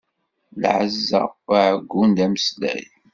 Lɛezza uɛeggun d ameslay.